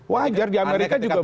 wajar di amerika juga